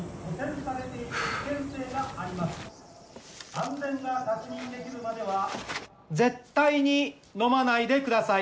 安全が確認できるまでは絶対に飲まないでください。